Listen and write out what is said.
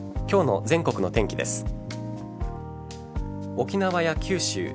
今日の全国の天気です。